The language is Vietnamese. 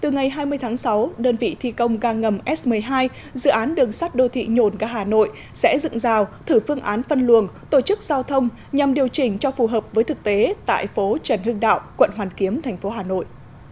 ngày hai mươi tháng sáu đơn vị thi công ga ngầm s một mươi hai dự án đường sắt đô thị nhồn ga hà nội sẽ dựng rào thử phương án phân luồng tổ chức giao thông nhằm điều chỉnh cho phù hợp với thực tế tại phố trần hưng đạo quận hoàn kiếm thành phố hà nội